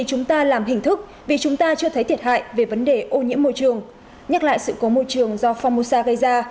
chúng ta làm hình thức vì chúng ta chưa thấy thiệt hại về vấn đề ô nhiễm môi trường nhắc lại sự cố môi trường do phongmosa gây ra